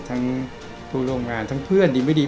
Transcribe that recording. ทั้งผู้ร่วมงานทั้งเพื่อนดีไม่ดี